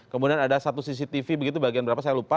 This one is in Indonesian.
kemudian ada satu cctv begitu bagian berapa saya lupa